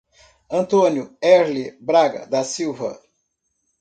Antônio Herle Braga da Silva